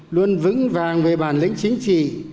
luôn vững vàng về bản lĩnh chính trị